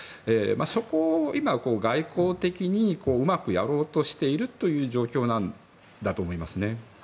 そこを外交的にうまくやろうとしている状況なんだと思いますね。